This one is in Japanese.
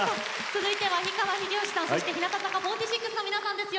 続いては氷川きよしさんそして日向坂４６の皆さんです。